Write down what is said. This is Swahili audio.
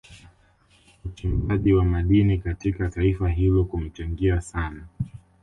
Uchimbaji wa madini katika taifa hilo kumechangia sana